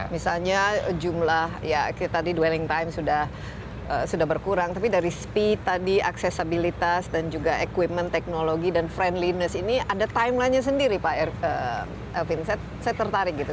misalnya jumlah ya tadi dwelling time sudah berkurang tapi dari speed tadi aksesabilitas dan juga equipment teknologi dan friendliness ini ada timeline nya sendiri pak elvin saya tertarik gitu